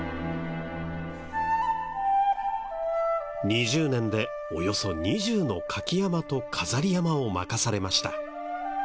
２０年でおよそ２０の舁き山笠と飾り山笠を任されました。